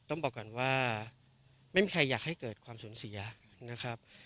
ต้องบอกก่อนว่าไม่มีใครอยากให้เกิดความสูญเสียนะครับ